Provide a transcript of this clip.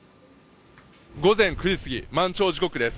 午前９時すぎ、満潮時刻です。